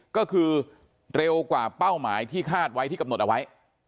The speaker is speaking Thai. ก็คือเร็วกว่าเป้าหมายที่คาดไว้ที่กำหนดเอาไว้